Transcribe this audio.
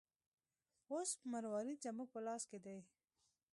اوس مروارید زموږ په لاس کې دی.